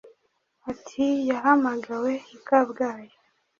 Ati ” Yahamagawe i Kabgayi